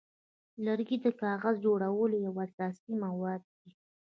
لرګی د کاغذ جوړولو یو اساسي مواد دی.